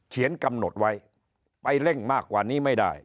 กำหนดไว้ไปเร่งมากกว่านี้ไม่ได้